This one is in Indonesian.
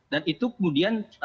dan itu kemudian